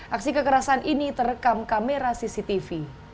aksi kekerasan ini terekam kamera cctv